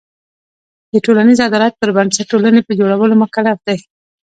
د ټولنیز عدالت پر بنسټ ټولنې په جوړولو مکلف دی.